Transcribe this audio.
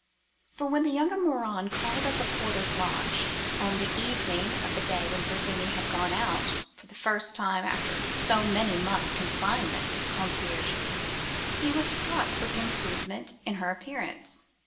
"For when the younger Morin called at the porter's lodge, on the evening of the day when Virginie had gone out for the first time after so many months' confinement to the conciergerie, he was struck with the improvement in her appearance.